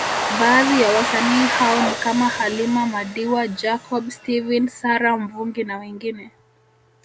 Baadhi ya wasanii hao ni kama Halima madiwa Jacob Steven Sara Mvungi na wengine